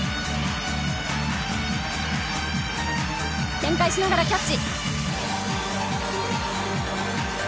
転回しながらキャッチ。